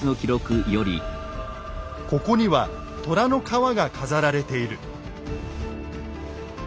「ここには虎の皮が飾られている」。